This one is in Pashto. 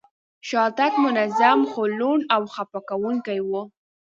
شاتګ منظم، خو لوند او خپه کوونکی و.